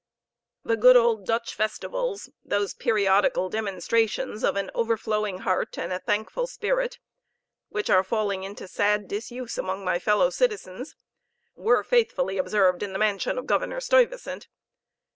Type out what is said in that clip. The good old Dutch festivals, those periodical demonstrations of an overflowing heart and a thankful spirit, which are falling into sad disuse among my fellow citizens, were faithfully observed in the mansion of Governor Stuyvesant.